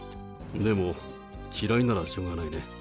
でも、嫌いならしょうがないね。